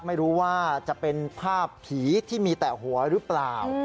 ไม่รู้ว่าจะเป็นภาพผีที่มีแต่หัวหรือเปล่า